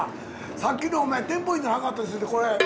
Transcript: さっきのお前テンポイントの墓と一緒でこれ。